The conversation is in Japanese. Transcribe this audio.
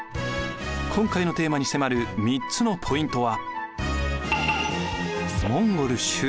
今回のテーマに迫る３つのポイントは。